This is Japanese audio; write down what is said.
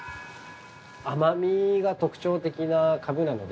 甘みが特徴的なかぶなので。